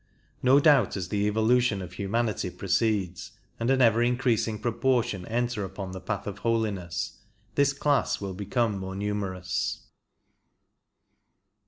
No doubt as the evolution of human ity proceeds, and an ever increasing proportion enter upon the Path of Holiness, this class will become more numer ous.